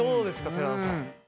寺田さん。